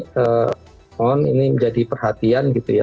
mohon ini menjadi perhatian gitu ya